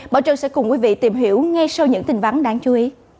bảo trân sẽ cùng quý vị tìm hiểu ngay sau những tình vắng đáng chú ý